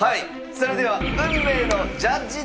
それでは運命のジャッジタイムです。